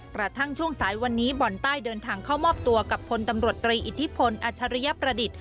กระทั่งช่วงสายวันนี้บ่อนใต้เดินทางเข้ามอบตัวกับพลตำรวจตรีอิทธิพลอัชริยประดิษฐ์